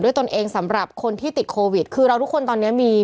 เพื่อไม่ให้เชื้อมันกระจายหรือว่าขยายตัวเพิ่มมากขึ้น